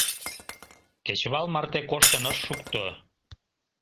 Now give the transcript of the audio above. Кечывал марте коштын ыш шукто.